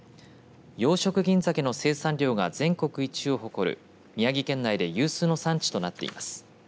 養殖銀ざけの生産量が全国一を誇る宮城県内で有数の産地となっています。